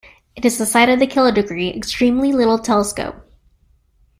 Is the site of the Kilodegree Extremely Little Telescope.